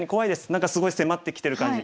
何かすごい迫ってきてる感じ。